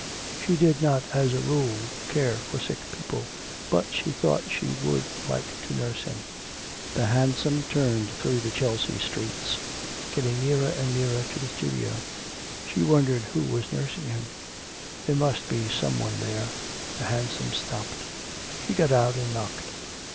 She did not as a rule care for sick people, but she thought she would like to nurse him. The hansom turned through the Chelsea streets getting nearer and nearer to the studio. She wondered who was nursing him there must be some one there.... The hansom stopped. She got out and knocked.